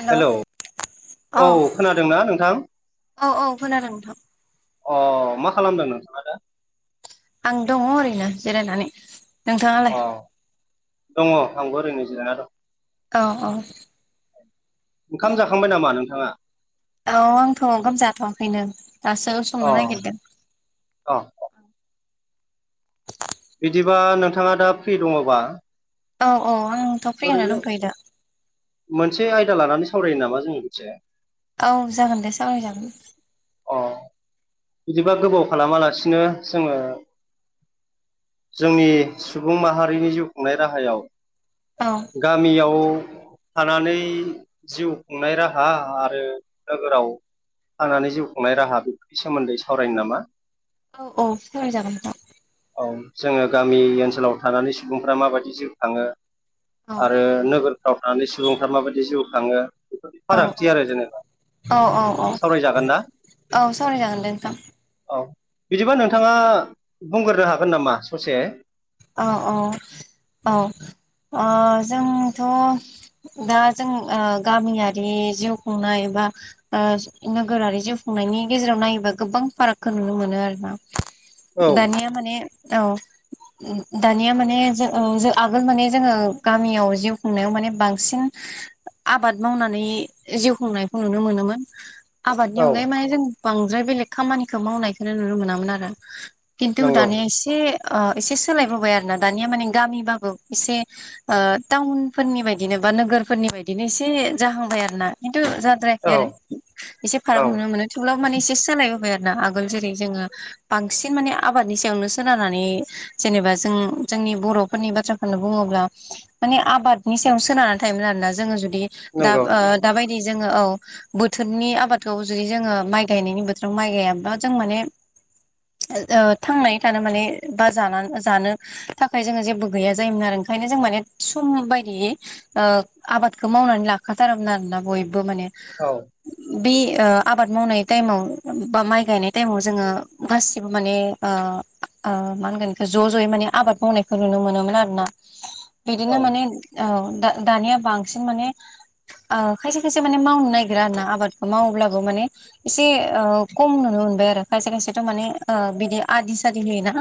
Hello hello औ खोनादोंना नोंथां? औ औ खोनादों नोंथां। अ मा खालामदों नों आं दङ ओरैनो जिरायनानै। नोंथाङालाय अ दङ आंबो ओरैनोजिरा दं। औ औ। ओंखाम जाखांबाय नामा नोंथाङा? औ आंथ' गोमजाथ'वाखैनो दासो। संनो अ नागिरदों अ। बिदिबा नोंथाङा दा फ्रि दङबा? औ औ आं ओरैनो मोनसे आयदा लानानै सावरायो नामा जोंनि मोनसे औ जागोन दे सावरायजागोन। अ बिदिबा गोबाव खालामालासिनो जोङो जोंनि सुबुं माहारिनि जिउ खुंनाय राहायाव औ। गामियाव थानानै जिउ खुंनाय राहा आरो नोगोराव थानानै जिउ खुंनाय राहा बेफोरनि सोमोन्दै सावरायनो नामा? औ औ सावराय जागोन नोंथां औ जोङो गामि ओनसोलाव थानानै सुबुंफ्रा माबायदि जिउ खाङो औ आरो नोगोरफ्राव थानानै सुबुंफ्रा माबायदि जिउ खाङो बेफोर औ फारागथि आरो जेनेबा औ औ औ सावरायजागोन ना औ सावरायजागोन दे नोंथां औ बिदिबा नोंथाङा बुंग्रोनो हागोन नामा ससे औ औ औ जोंथ' दा जों ओ गामियारि जिउ खुंनाय बा नोगोरारि जिउ खुंनायनि गेजेराव नायोबा गोबां फारागखौ नुनो मोनो आरोना औ दानिया माने औ दानिया माने जो आगोल माने जोङो गामियाव जिउ खुंनायाव माने बांसिन आबाद मावनानै जिउ खुंनायखौ नुनो मोनोमोन। आबादनि औ अनगायै मे जों बांद्राय बेलेग खामानिखौ मावनायखौनो नुनो मोनामोन आरो खिन्थु नंगौ दानिया एसे एसे सोलायबोबाय आरो ना दानिया माने गामिबाबो एसे टाउनफोरनि बायदिनो बा नोगोरफोरनि बायदिनो एसे जाहांबाय आरोना खिन्थु द्रायाखै औ आरो एसे फाराग औ नुनो मोनो थेवब्लाबो माने एसे सालायबोबाय आरो ना आगोल जेरै जोङो बांसिन माने आबादनि सायावनो सोनारनानै जेनेबा जों जोंनि बर'फोरनि बाथ्राखौनो बुङोब्ला माने आबादनि सायाव सोनारनानै थायोमोन आरोोना जोङो जुदि दा नंगौ दाबायदि जोङो औ बोथोरनि आबादखौ जुदि जोङो माइ गायनायनि बोथोराव माइ गायाब्ला जों माने थांनानै थानो माने बा जानानै जानो थाखाय जोङो जेबो गैया जायोमोन आरो ओंखायनो जों माने सम बायदियै आबादखौ मावनानै लाखाथारोमोन आरोना बयबो माने औ। बे आबाद मावनाय टाइमाव बा माइ गायनाय टाइमाव जोङो गासिबो माने ओ ओ मा होनगोन ज' ज'यै माने आबाद मावनायखौ नुनो मोनोमोन आरो ना बिदिनो औ माने औ दा दानिया बांसिन माने खायसे खायसे माने मावनो नागिरा आरोना आबादखौ मावोब्लाबो माने एसे खम नुनो मोनबाय आरो खायसे खायसेथ' माने बिदि आदि सादि होयोना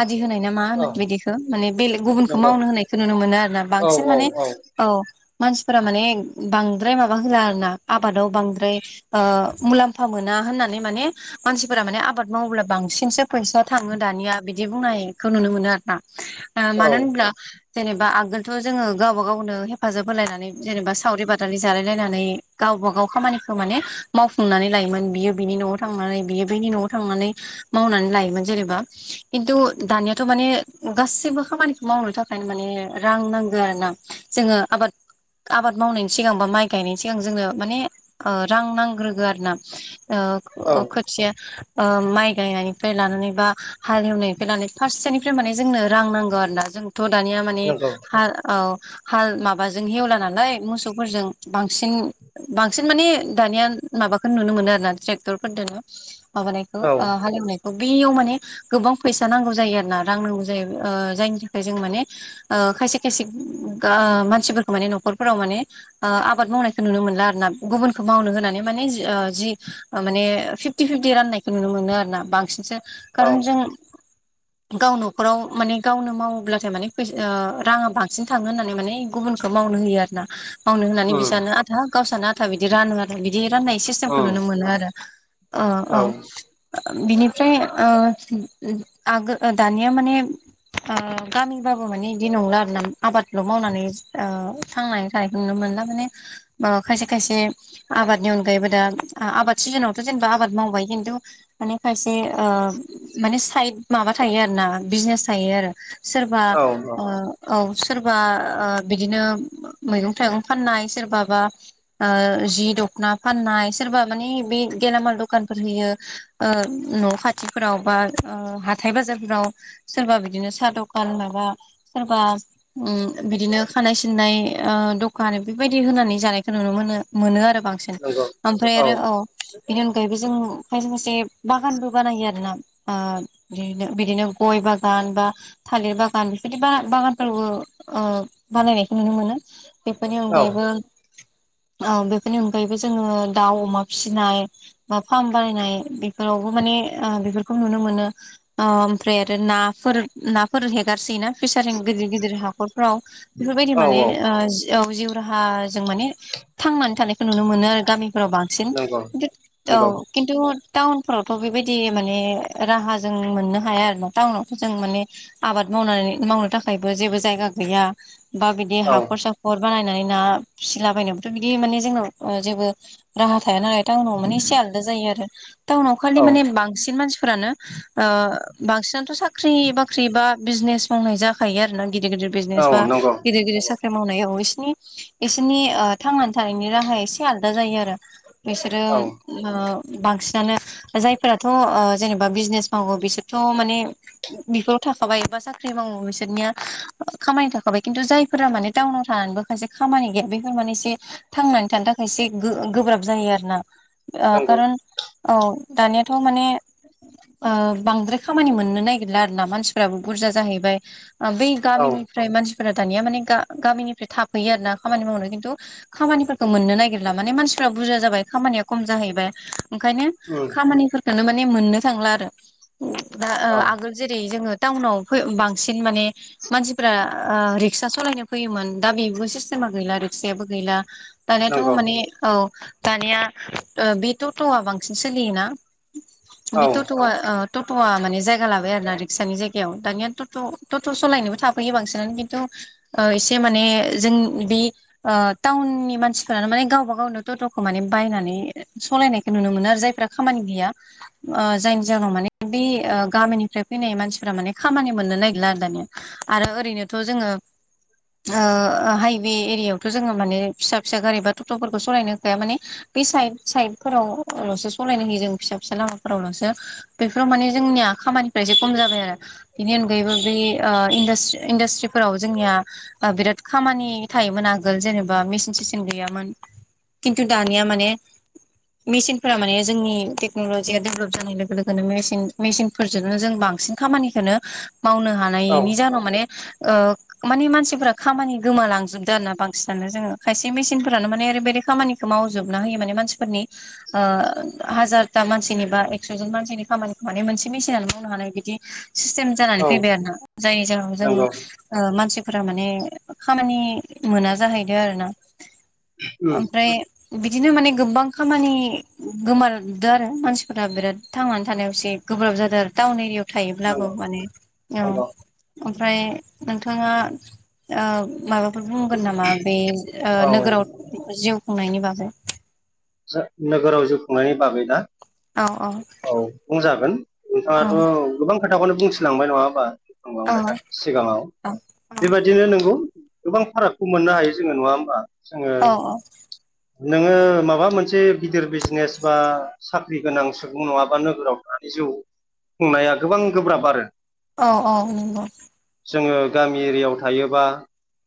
आदि होनाय ना मा होनो औ बिदिखौ माने बेलेग गुबुनखौ नंगौ मावनो होनायखौ नुनो मोनो आरो ना औ बांसिन औ माने औ मानसिफोरा माने बांद्राय माबा होला आरो ना आबादाव बांद्राय मुलाम मुलामफा मोना होननानै माने मानसिफोरा माने आबाद मावोब्ला बांसिनसो फैसा थाङो दानिया बिदि बुंनायखौ नुनो मोनो आरो ना औ मानो होनब्ला जेनेबा आगोलथ' जोङो गावबा गावनो हेफाजाब होलायनानै जेनेबा सावरि बादालि जालायलायनानै गावबा गाव खामानिखौ माने मावफुंनानै लायोमोन बियो बिनि न'आव थांनानै बियो बेनि न'आव थांनानै मावनानै लायोमोन जेनेबा खिन्थु दानियाथ' माने गासैबो खामानिखौ मावनो थाखायनो माने रां नांगौ आरो ना जोङो आबाद आबाद मावनायनि सिगां बा माइ गायनायनि सिगां जोङो माने रां नांग्रोगो आरो ना औ खोथिया माइ गायनायनिफ्राय लानानै बा हालेवनायनिफ्राय लानानै फार्सेनिफ्राय माने जोंनो रां नांगौ आरोना जों थ' दानिया माने नंगौ हा औ हाल माबाजों हेवला नालाय मोसौफोरजों बांसिन बांसिन माने दानिया माबाखौ नुनो मोनो आरोना ट्रेक्टरफोरदोनो माबानायखौ औ हालेवनायखौ बेयाव माने गोबां फैसा नांगौ जायो आरोना रां नांगौ जायो जायनि थाखाय जों माने खायसे खायसे गा मानसिफोरखौ माने न'खरफोराव माने आबाद मावनायखौ नुनो मोनला आरोना गुबुनखौ मावनो होनानै माने जि माने फिफ्टि फिफ्टि राननायखौ नुनो मोनो आरोना बांसिनसो औ खारन जों गाव न'खराव माने गावनो मावोब्लाथाय माने फैसा राङा बांसिन थाङो होननानै माने गुबुनखौ मावनो होयो आरोना मावनो होननानै उम बिसानो आधा गावसानो आधा बिदि रानो आरो बिदि राननाय सिस्टेमखौ उम नुनो मोनो आरो ओ औ ओं बिनिफ्राय ओ आगो दानिया माने गामिबाबो माने इदि नंला आरोना आबादल मावनानै ओ थांनानै थानायखौ नुनो मोनोना माने खायसे खायसे आबादनि अनगायैबो दा आबाद सिजोनावथ जेनेबा आबाद मावबाय खिन्थु माने फायसे ओ माने साइद माबा थायो आरोना बिजनेस थायो आरो सोरबा औ ओ औ सोरबा ओ बिदिनो मैगं थाइगं फाननाय सोरबाबा जि दखना फाननाय सोरबा माने बे गेलामाल दखानफोर होयो ओ न' खाथि फोराव बा हाथाय बाजारफोराव सोरबा बिदिनो साहा दखान माबा सोरबा उम बिदिनो खानाय सिननाय ओ दखान बेबायदि होनानै जानायखौ नुनो मोनो मोनो आरो बांसिन नंगौ ओमफ्राय आरो औ बेनि अनगायैबो जों खायसे बागानबो बानायो आरो मोना बिनो बिदिनो गय बागान बा थालिर बागान बेफोरदि बागानफोरबो ओ बानायनायखौ नुनो मोनो बेफोरनि औ अनगायैबो ओ बेफोरनि अनगायैबो जोङो दाउ अमा फिसिनाय बा फार्म बानायनाय बेफोरावबो माने बेफोरखौ नुनो मोनो ओमफ्राय आरो नाफोर नाफोर हेगारसोयोना फेसारिं गिदिर गिदिर हाखरफ्राव बेफोरबायदि औ माने औ ओ जि वाव जिउ राहाजों माने थांनानै थानायखौ नुनो मोनो आरो गामिफोराव बां नंगौ [unintelligible] औ नंगौ खिनथु थावनफोराव बेबाय दि माने राहा जों मोननो हाया आरोना टाउनावथ जों माने आबाद मावनानै मावनो थाखायबो जेबो जायगा गैया बा बिदि औ हाखर साखर बानायनानै ना फिसालाबायनोबोथ बिदि माने जोंनाव जेबो राहा थाया नालाय टाउनाव माने एसे आलादा जायो आरो टाउनाव खालि औ माने बांसिन मानसिफोरानो बांसिनाथ साख्रि बाख्रि बा बिजनेस मावनाय जाखायो आरोना गिदिर गिदिर बिजने औ बा नंगौ गिदिर गिदिर साख्रि मावनायाव इसोरनि इसोरनि थांनानै थानायनि राहा एसे आलदा जायो आरो बिसोरो औ ओ बांसिनानो जाय फोरथ जेनेबा बिजनेस मावो बिसोरथ माने बेफोराव थाखाबाय बा साख्रि मावो बिसोरनिया खामानि थाखाबाय खिन्थु जायफोरा माने टाउनाव थानानैबो माखासे खामानि गैया बेफोर माने एसे थांनानै थानो थाखाय एसे गोब्राब जायो आरोना नंगौ खारन औ दानियाथ माने ओ बांद्राय खामानि मोननो नागिरला आरोना मानसिफ्राबो बुरजा जाहैबाय बै औ गामिनिफ्राय मानसिफोरा दानिया माने गा गामिनिफ्राय थाफैयो आर ना खामानि मावनो खिन्थु खामानिफोरखौ मोननो नागिरला माने मानसिफ्रा बुरजा जाबाय खामानिया खम जाहैबाय ओंखायनो उम खामानिफोरखोनो मानेमोननो थांला आरो दा औ आगोल जेरै जोङो टाउनाव बांसिन माने मानसिफ्रा रिक्सा सालायनो फैयोमोन दा बेबो सिस्टेमा गैला रिक्सायाबो गैला दानिाथ नंगौ माने औ दानिया बे टटआ बांसिन सोलियोना औ बि टट ओ टटआ माने जायगा लाबाय आरो ना रिक्सानि जायगायाव दानिया टट टट सालायनोबो थाफैयो बांसिनानो खिन्थु ओ एसे माने जों बे टाउननि मानसिफोरानो माने गावबा गावनो थ'खौ माने बायनानै सालायनायखौ नुनो मोनो आरो जायफ्रा खामानि गैया ‌। जायनि जाहोनाव माने बे गामिनिफ्राय फैनाय मानसिफोरा माने खामानि मोननो नागिरला आरो दानिया। आरो ओरैनोथ' जोङो ओ हाइवे एरियायावथ' जोङो माने फिसा फिसा गारि बा टट'फोरखौ सालायनो होखाया माने बे साइड साइदफोरावल'सो सालायनो होयो जों फिसा फिसा लामाफोरावल'सो बेफोराव माने जोंनिया खामानिफ्रा एसे खम जाबाय आरो। बेनि अनगायैबो बे ओ इनदा इन्डासट्रिफोराव जोंनिया बिराद खामानि थायोमोन आगोल जेनेबा मेचन सिचन गैयामोन। खिन्थु दानिया माने मेचनफोरा माने जोंनि टेक्नलजिया डेभलप जानाय लोगो लोगोनो मेसिनफोरजोंनो जों बांसिन खामानिखौोननो मावनो औ हानाय जान' माने आ माने मानसिफोरा खामानि गोमालांजोबदो आरो ना बांसिनानो जोङो खायसे मेसिनफोरानो माने ओरैबायदि खामानि मावजोबना होयो माने मानसिफोरनि ओ हाजार दा मानसिनि बा एक्स'जन मानसिनि खामानिखौ माने मोनसे मेसिनानो मावनो हानाय बिदि सिस्टेम जानानै औ फैबाय आरोोना जायनि जाहोनाव जों नंगौ ओ मानसिफोरा माने खामानि मोना जाहैदो आरो ना। उम ओमफ्राय बिदिनो माने गोबां खामानि गोमाल आरो मानसिफोरा बिराद थांनानै थानायाव एसे गोब्राब जादों आरो ताउन एरिया थायोब्लाबो नंगौ माने औ नंगौ ओमफ्राय नोंथाङा माबा बे बुंगोन नामा बे ओ औ नोगोराव जिउ खुंनायनि बागै? नोगोराव जिउ खुंनायनि बागै ना? औ औ बुंजागोन औ नोंथाङाथ' गोबां खोथाखौनो बुंथिलांबाय नङा होनोमा औ बुंबांबाय दा सिगाङाव। बेबायदिनो नोंगौ गोबां फारागखौ मोननो हायो जोङो नङा होमबा जोङो औ नोङो माबा मोनसे गिदिर बिजनेस बा साख्रि गोनां सुबुं नङाबा नोगोराव थानानै जिउ ख बुंनाया गोबां गोब्राब आरो औ औ नंगौ जोङो गामि एरियायाव थायोबा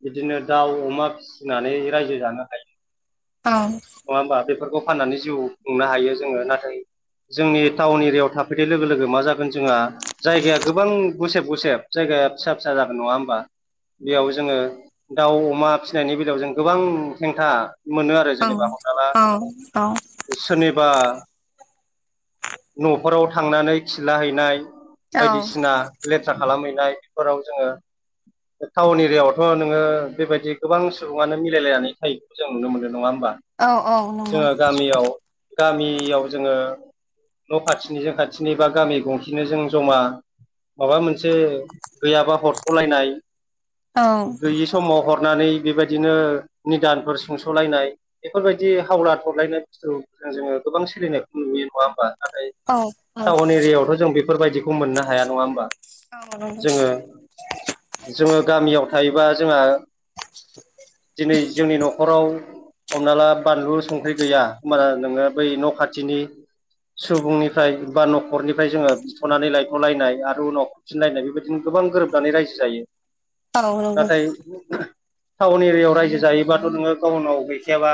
बिदिनो दाउ अमा फिसिनानै रायजो जानो हायो। औ नङा होमबा बेफोरखौ फाननानै जिउ खुंनो हायो जोङो नाथाय जोंनि टाउन एरियायाव थाफैनाय लोगो लोगो मा जागोन जोंहा जायगाया गोबां गुसेब गुसेब जायगाया फिसा फिसा जागोन नङा होमबा? बेयाव जोङो दाउ अमा फिसिनायनि बेलायाव जों गोबां हेंथा मोनो आरो जेनेबा हमना ला औ औ सोरनिबा न'फोरराव थांनानै खिलाहैनाय औ बायदिसिना लेथ्रा खालामहैनाय बेफोराव जोङो टाउन एरियायावथ' नोङो बेबायदि गोबां सुबुङानो मिलायलायनानै थायो। जों नुनो मोनो नङा होनोमबा? औ औ जोङो गामियाव गामियाव जोङो न' खाथिनिजों खाथिनि बा गामि गंसेनो जों जमा माबा मोनसे गैयाबा हरखलायनाय औ गैयि समाव हरनानै बेबायदिनो निदानफोर सुंस'लायनाय बेफोरबायदि थावला थरलायनाय बुस्थुजों जोङो गोबां सोलिनायखौ नुयो नङा होमबा नाथाय औ औ नंगौ टाउन एरियायावथ' जों बेफोरबायदिखौ मोननो हाया नङा होमबा? जोङो जोङो गामियाव थायोबा जोंहा। दिनै जोंनि न'खराव हमना ला। बानलु संख्रि गैया होमबाना नोङो बै न' खाथिनि सुबुंनिफ्राय बा न'खरनिफ्राय जोङो बिथ'नानै लायथ'लायनाय आरो उनाव थिनायनाय बेबायदिनो गोबां गोरोबनानै रायजो जायो औ नंगौ नाथाय टाउन एरियायाव रायजो जायोबाथ' नोङो गाउनाव गैखायाबा।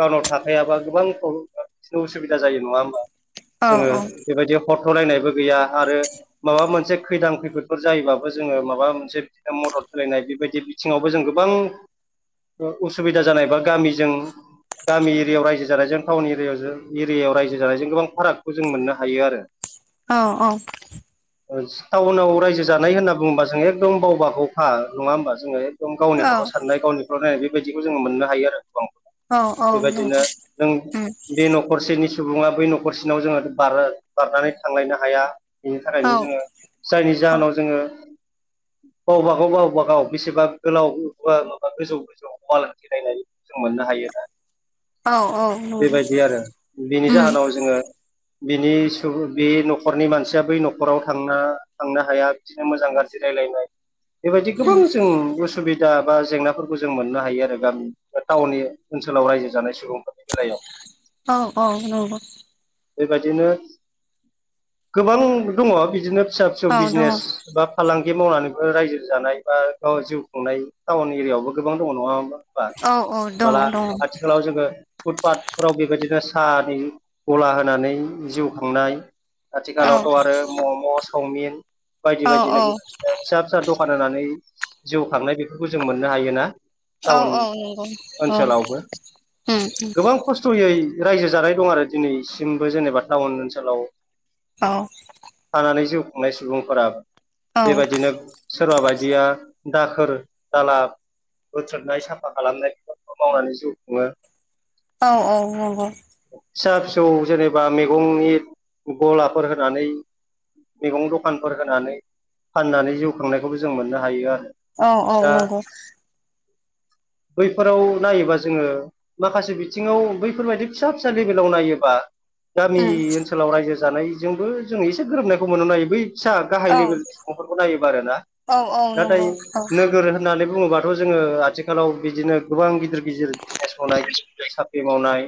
टाउनाव थाखायाबा गोबां प्रब्ले बिदिनो उसुबिदा जायो नङा होमबा औ जोङो। औ बेबायदि हरथ'लायनायबो गैया आरो। माबा मोनसे खैदां खैफोदफोर जायोबाबो जोङो माबा मोनसे बिदिनो मदद होलायनाय बेबायदि सिङावबो जों गोबां उसुबिदा जानाय बा गामिजों। गामि एरियायाव रायजो जानायजों टाउन एरि एरियायाव रायजो जानायजों गोबां फारागखौ जों मोननो हायो आरो। [inaudible] औ औ टाउनाव रायजो जानाय होनना बुङोबा जोंङो एकदम बावबाखौखा नङा होमबा जोङो। एकदम औ गावनिखौलाव साननाय गावनिखौाव नाय बेबायदिखौ जोङो मोननो हायो आरो गोबांखौ। औ औ नंगौ बेबायदिनो नों उम बे न'खर। न'खरसेनि सुबुङा बै न'खरसेनाव जोङो बारनानै थांलायनो हाया बेनि औ थाखायनो जोङो। जायनि जाहोनाव जोङो। गावबा गाव गावबाागाव बेसेबा गोलाव माबा गोजौ गोजौ। फालांथि नायनायखौ जों मोननो हायो ना। औ औ। नंगौ बेबायदि आरो बिनि उम जाहोनाव जोङो। बिनि सुबुं बे न'खरनि मानसिया बै न'खराव थांना थांनो हाया बिदिनो मोजां गाज्रि रायज्लायनाय बेबायदि गोबां उम जों उसुबिदा। दा बा जेंनाफोरखौ जों मोननो हायो आरो गामि बा टाउननि ओनसोलाव रायजो जानाय सुबुंफोरनि बेलायाव औ औ नंगौ बेबायदिनो गोबां दङ बिदिनो फिसा फिसौ औ दङ बिजनेस बा फालांगि मावनानैबो रायजो जानाय बा गाव जिउ खुंनाय टाउन एरियायावबो गोबां दङ नङा हा बा औ औ दङ होननाला दङ आथिखालाव जोङो। फुटपााथफोराव बेबायदिनो साहानि गला होनानै जिउ खांनाय औ आथिखालावथ' आरो मम' चावमिन बायदि औ बायदिनो फिसा फि फ दखान होनानै जिउ खांनाय बेफोरखौ जों मोननो हायोना। औ टाउन औ नंगौ औ ओनसोलावबो उम उम गोबां खस्थ' खस्थ'यै रायजो जानाय दं आरो दिनैसिमबो जेनेबा टाउन ओनसोलाव। औ थानानै जिउ खुंनाय सुबुंफोरा बेबायदिनो सोरबा बायदिया दाखोर दालाब। बोथोननाय साफा खालामनाय बेफोरखौ मावनानै जिउ खुङो। औ औ औ औ फिसा फिसौ जेनेबा मैगंनि गलाफोर होनानै मैगं दखानफोर होनानै फाननानै जिउ खांनायखौबो जों मोननो हायो आरो। औ औ दा नंगौ। बैफोराव नायोबा जोङो माखासे बिथिङाव बैफोरबायदि फिसा फिसा लेभेलाव नायोबा गामि उम ओनसोल ओनसोलाव रायजो जानायजोंबो जों एसे गोरोबनायखौ मोननो हायो बै फिसा। ग लेलफोरखौ नायाोना औ औ नंगौ औ ना नो होननानै बुङोबाथ' जोङो आथिखालाव बिदिनो गोबां गिदिर गिदिर बिजनेस मावनाय हा साख्रि मावनाय